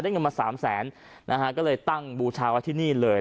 เงินมาสามแสนนะฮะก็เลยตั้งบูชาไว้ที่นี่เลย